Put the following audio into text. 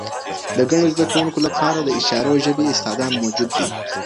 د کڼو زده کوونکو لپاره د اشارو ژبې استادان موجود دي؟